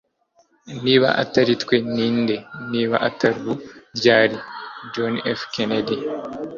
niba atari twe, ninde? niba atari ubu, ryari? - john f. kennedy